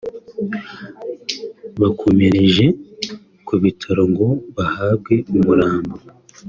bakomereje ku bitaro ngo bahabwe umurambo